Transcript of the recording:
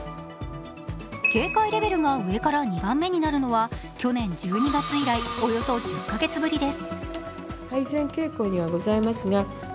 警戒レベルが上から２番目になるのは去年１２月以来、およそ１０カ月ぶりです。